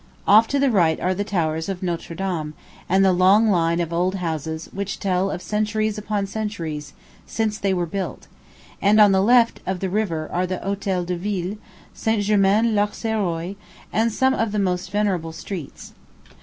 Off to the right are the towers of Notre Dame, and the long line of old houses which tell of centuries upon centuries since they were built; and on the left of the river are the Hotel de Ville, St. Germain L'Auxerrois; and some of the most venerable streets.